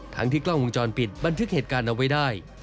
ที่กล้องวงจรปิดบันทึกเหตุการณ์เอาไว้ได้